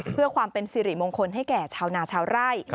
เพื่อความเป็นสิริมงคลให้แก่ชาวนาชาวไร่